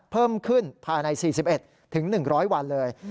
เพิ่มขึ้นภายใน๔๑๑๐๐วันเลย